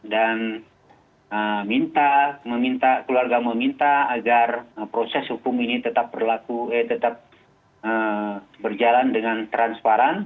dan keluarga meminta agar proses hukum ini tetap berjalan dengan transparan